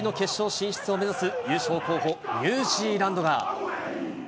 ２大会ぶりの決勝進出を目指す、優勝候補、ニュージーランドが。